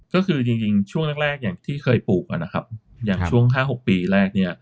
ก็คือจริงช่วงแรกแรกอย่างที่เคยปลูกนะครับอย่างช่วง๕๖ปีแรกเนี่ย